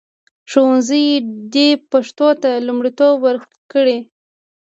ښوونځي دې پښتو ته لومړیتوب ورکړي.